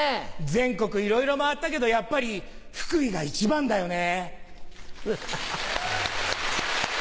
全国いろいろ回ったけどやっぱり福井が一番だよね。